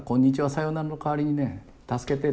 「さよなら」の代わりにね「助けて」